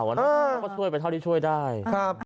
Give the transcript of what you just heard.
เขาก็ช่วยไปเท่าที่ช่วยได้